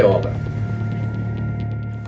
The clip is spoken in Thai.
โปรดติดตามตอนต่อไป